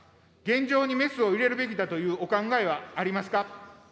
現状にメスを入れるべきだというお考えはありますか。